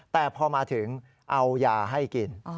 แต่พอมาถึงเอายาให้กิน